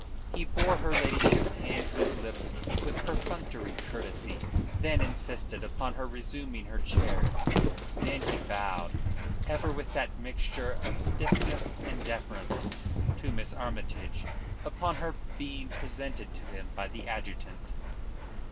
He bore her ladyship's hand to his lips with perfunctory courtesy, then insisted upon her resuming her chair. Then he bowed ever with that mixture of stiffness and deference to Miss Armytage upon her being presented to him by the adjutant.